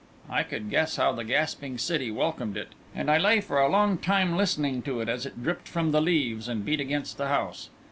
I could guess how the gasping city welcomed it, and I lay for a long time listening to it, as it dripped from the leaves and beat against the house.